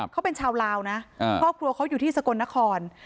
เขาเป็นชาวลาวนะครอบครัวเขาอยู่ที่สกลนคร